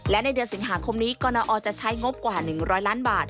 และในเดือนสิงหาคมนี้กรณอจะใช้งบกว่า๑๐๐ล้านบาท